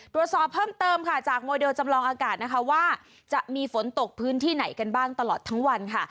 ตรวจสอบเพิ่มเติมค่ะจากโมเดลจำลองอากาศนะคะว่าจะมีฝนตกพื้นที่ไหนกันบ้างตลอดทั้งวันค่ะ